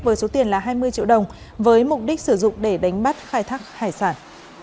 với số tiền là hai mươi triệu đồng với mục đích sử dụng để đánh bắt khai thác hải sản